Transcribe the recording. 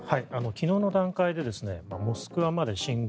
昨日の段階でモスクワまで進軍